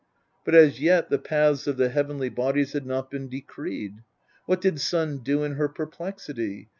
But as yet the paths of the heavenly bodies had not been decreed. What did Sun do in her perplexity